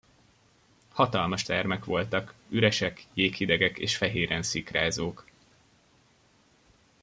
Hatalmas termek voltak, üresek, jéghidegek és fehéren szikrázók.